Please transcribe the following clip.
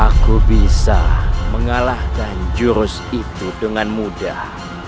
aku bisa mengalahkan jurus itu dengan mudah